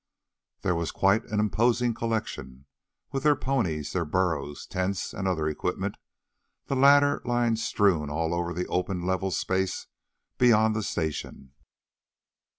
There was quite an imposing collection, with their ponies, their burros, tents and other equipment, the latter lying strewn all over the open level space beyond the station.